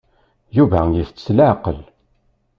Yuba itett s leɛqel.